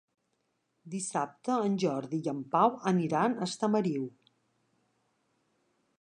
Dissabte en Jordi i en Pau aniran a Estamariu.